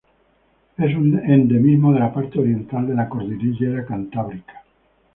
Es un endemismo de la parte oriental de la cordillera Cantábrica.